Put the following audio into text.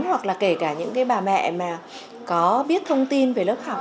hoặc là kể cả những cái bà mẹ mà có biết thông tin về lớp học